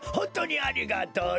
ありがとね！